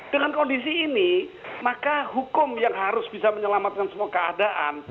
dengan kondisi ini maka hukum yang harus bisa menyelamatkan semua keadaan